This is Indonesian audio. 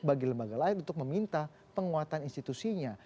bagi lembaga lain untuk meminta penguatan institusinya